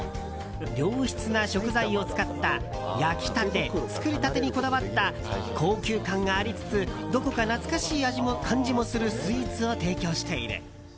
良質な食材を使った焼きたて、作りたてにこだわった高級感がありつつどこか懐かしい感じもするスイーツを提供している。